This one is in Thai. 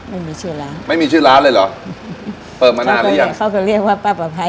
ไม่มีชื่อร้านไม่มีชื่อร้านเลยเหรอเปิดมานานหรือยังเขาก็เรียกว่าป้าประภัย